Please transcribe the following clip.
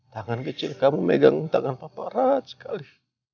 tangan kecil kamu megang tangan paparaz sekali